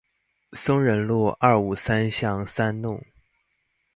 松仁路二五三巷三弄